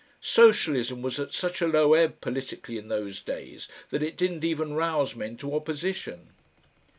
Socialism was at such a low ebb politically in those days that it didn't even rouse men to opposition.